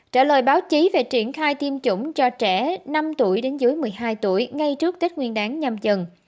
trả lời báo chí về triển khai tiêm chủng cho trẻ năm tuổi đến dưới một mươi hai tuổi ngay trước tết nguyên đáng nhăm dần